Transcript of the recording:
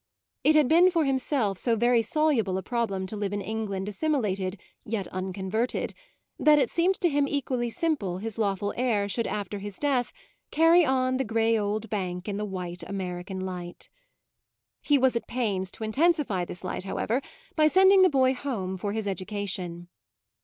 It had been for himself so very soluble a problem to live in England assimilated yet unconverted that it seemed to him equally simple his lawful heir should after his death carry on the grey old bank in the white American light. He was at pains to intensify this light, however, by sending the boy home for his education.